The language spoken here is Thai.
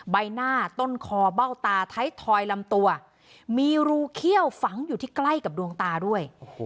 ใบหน้าต้นคอเบ้าตาไทยทอยลำตัวมีรูเขี้ยวฝังอยู่ที่ใกล้กับดวงตาด้วย